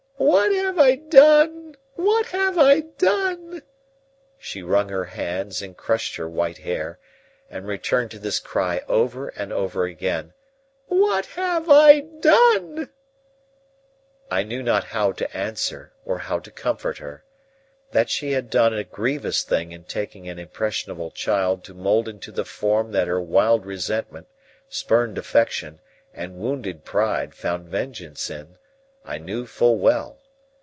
"What have I done! What have I done!" She wrung her hands, and crushed her white hair, and returned to this cry over and over again. "What have I done!" I knew not how to answer, or how to comfort her. That she had done a grievous thing in taking an impressionable child to mould into the form that her wild resentment, spurned affection, and wounded pride found vengeance in, I knew full well.